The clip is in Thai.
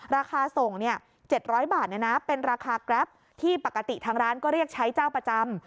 ราคาส่ง๗๐๐บาทเป็นราคาแกรปที่ปกติทางร้านก็เรียกใช้เจ้าประจำ